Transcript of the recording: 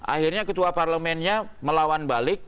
akhirnya ketua parlemennya melawan balik